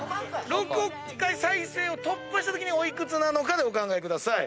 ６億回再生を突破したときにお幾つなのかでお考えください。